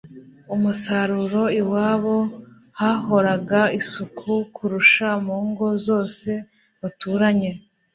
umusaruro. Iwabo hahoraga isuku kurusha mu ngo zose baturanye.